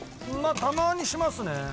たまにしますね。